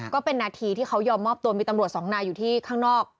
ก็เป็นนาทีที่เขายอมมอบตัวมีตำรวจสองนายอยู่ที่ข้างนอก